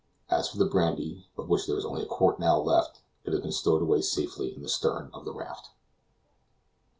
As for the brandy, of which there is only a quart now left, it has been stowed away safely in the stern of the raft.